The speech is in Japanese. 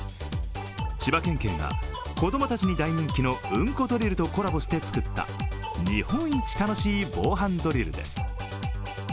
千葉県警が子供たちに大人気の「うんこドリル」とコラボして作った日本一楽しい防犯ドリルです。